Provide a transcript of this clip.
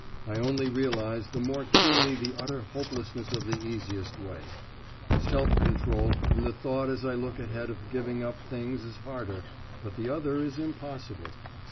I only realize the more keenly the utter hopelessness of the easiest way. Self control, and the thought as I look ahead of giving up things is harder, but the other is impossible.